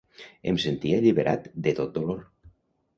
Em sentia alliberat de tot dolor.